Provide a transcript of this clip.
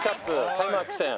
開幕戦